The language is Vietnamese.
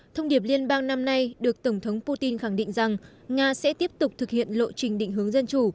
thông điệp liên bang năm nay được tổng thống putin khẳng định rằng nga sẽ tiếp tục thực hiện lộ trình định hướng dân chủ